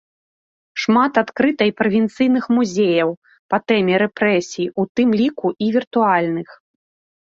Шмат адкрыта і правінцыйных музеяў па тэме рэпрэсій, у тым ліку і віртуальных.